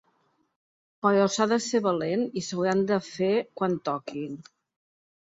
Però s’ha de ser valent i s’hauran de fer quan toqui.